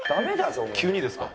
急にですか？